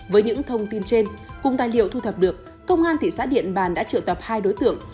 với những thông tin trên cùng tài liệu thu thập được công an thị xã điện bàn đã triệu tập hai đối tượng